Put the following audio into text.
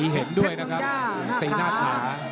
เห็นด้วยนะครับตีหน้าขา